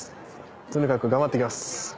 とにかく頑張ってきます。